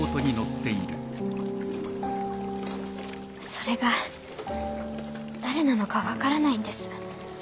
それが誰なのか分からないんです。